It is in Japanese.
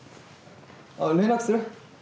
あ連絡する？